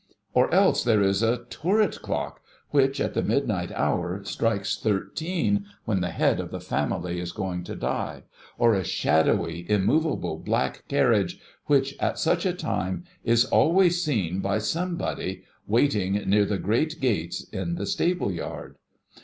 Or else, there is a turret clock, which, at the midnight hour, strikes thirteen when the head of the family is going to die ; or a shadowy, immovable black carriage which at such a time is always seen by somebody, A DEATH TOKEN 13 waiting near the great gates in the stable yard.